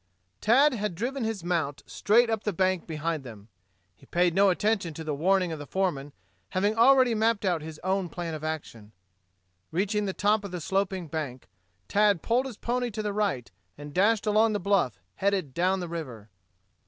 Tad had driven his mount straight up the bank behind them. He paid no attention to the warning of the foreman, having already mapped out his own plan of action. Reaching the top of the sloping bank, Tad pulled his pony to the right and dashed along the bluff, headed down the river.